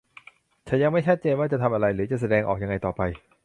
ฉันยังไม่ชัดเจนว่าจะทำอะไรหรือจะแสดงออกยังไงต่อไป